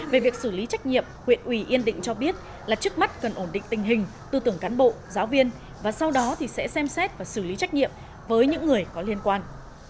về việc xử lý trách nhiệm huyện yên định cho biết là trước mắt cần ổn định tình hình tư tưởng cán bộ giáo viên và sau đó sẽ xem xét và xử lý trách nhiệm với những người có liên quan